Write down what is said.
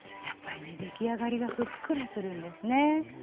やっぱりね出来上がりがふっくらするんですね。